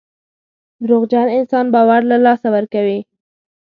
دروغجن انسان باور له لاسه ورکوي.